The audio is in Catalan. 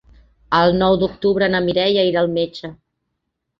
El nou d'octubre na Mireia irà al metge.